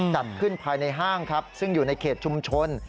จัดขึ้นภายในห้างครับซึ่งอยู่ในเขตชุมชน